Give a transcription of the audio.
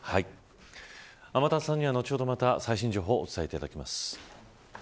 天達さんには後ほど最新情報を伝えてもらいます。